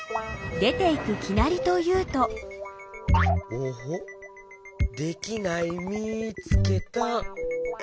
オホッできないみつけた。